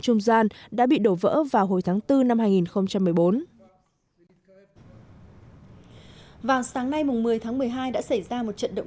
trung gian đã bị đổ vỡ vào hồi tháng bốn năm hai nghìn một mươi bốn vào sáng nay một mươi tháng một mươi hai đã xảy ra một trận động